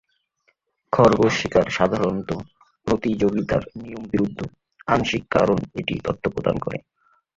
খরগোশ শিকার সাধারণত প্রতিযোগিতার নিয়মবিরুদ্ধ, আংশিক কারণ এটি তথ্য প্রদান করে।